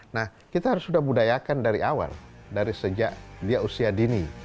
nah kita harus sudah budayakan dari awal dari sejak dia usia dini